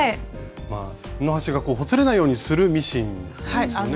布端がほつれないようにするミシンなんですよね。